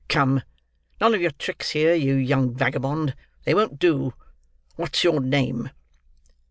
"Come, none of your tricks here, you young vagabond; they won't do. What's your name?"